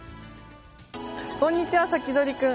こんにちは、サキドリくん。